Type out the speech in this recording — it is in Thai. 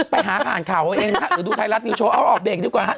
ไปหาข่าวไว้เองค่ะดูไทยรัฐนิวโชว์เอาออกเบกดีกว่าค่ะ